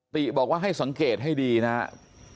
ติบอกว่าให้สังเกตให้ดีนะครับ